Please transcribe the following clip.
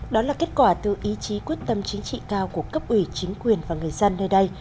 đó là kết quả từ ý chí quyết tâm chính trị cao của cấp ủy chính quyền và người dân nơi đây